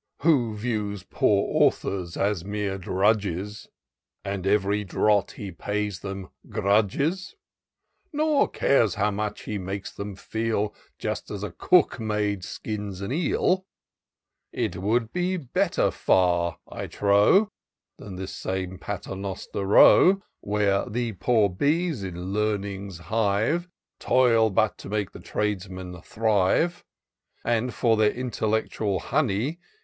Who views poor authors as mere drudges, And ev'ry doit he pays them grudges ; Nor cares how much he makes them feel, Just as a cook maid skins an eel. 288 TOUR OF DOCTOR SYNTAX It would be better far I trow Than this same Paternoster Raw ; Where the poor bees, in Learning's hive, Toil, but to make the tradesmen thrive — And for their intellectual honey.